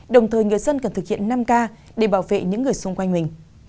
đồng thời người dân cần thực hiện năm k để bảo vệ những người xung quanh mình